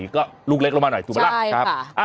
ก็ลูกเล็กลงมาหน่อยถุงละ